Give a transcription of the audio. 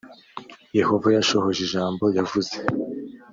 yehova yashohoje ijambo yavuze